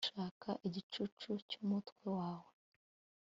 Gushaka igicucu cyumutwe wawe